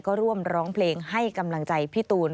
ก็ร่วมร้องเพลงให้กำลังใจพี่ตูน